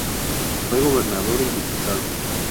Fue gobernador y diputado.